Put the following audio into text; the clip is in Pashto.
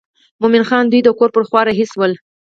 مومن خان دوی د کور پر خوا رهي شول.